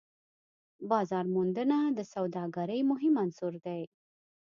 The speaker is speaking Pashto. بازارموندنه د سوداګرۍ مهم عنصر دی.